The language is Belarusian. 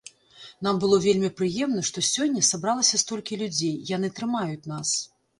Нам было вельмі прыемна, што сёння сабралася столькі людзей, яны трымаюць нас.